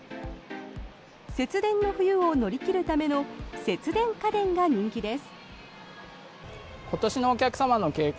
節電の冬を乗り切るための節電家電が人気です。